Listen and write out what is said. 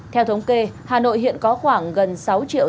theo thống kê hà nội hiện có khoảng gần sáu triệu